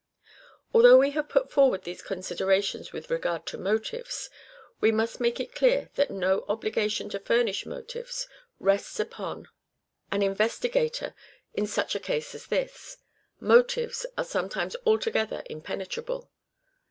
Although we have put forward these considerations with regard to motives, we must make it clear that no obligation to furnish motives rests upon an investi gator in such a case as this. Motives are sometimes altogether impenetrable.